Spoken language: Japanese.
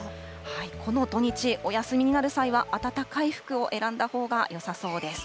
この土日、お休みになる際は、暖かい服を選んだほうがよさそうです。